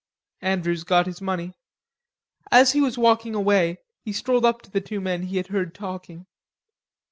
Andrews got his money. As he was walking away, he strolled up to the two men he had heard talking.